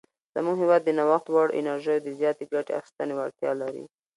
زموږ هیواد د نوښت وړ انرژیو د زیاتې ګټې اخیستنې وړتیا لري.